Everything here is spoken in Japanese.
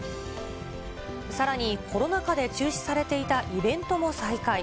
さらに、コロナ禍で中止されていたイベントも再開。